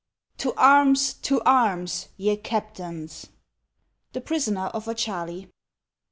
To arms ! to arms ! ye captains ! The Prisoner of Ochali.